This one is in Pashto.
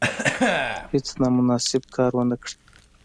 هیڅ نامناسب کار ونه کړي.